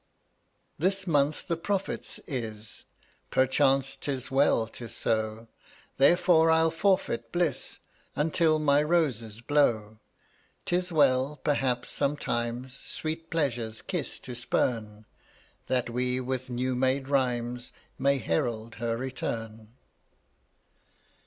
135 This month the Prophet's is. Perchance, 'tis well 'tis so; Therefore I'll forfeit bliss — Until my roses blow. 'Tis well, perhaps, sometimes Sweet Pleasure's kiss to spurn, That we with new made rhymes May herald her return.